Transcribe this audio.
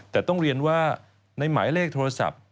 แต่ต้องเรียนว่าในหมายเลขโทรศัพท์